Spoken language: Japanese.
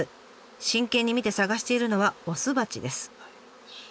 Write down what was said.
真剣に見て探しているのは雄蜂です。